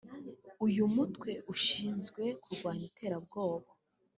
iy’umutwe ushinzwe kurwanya iterabwoba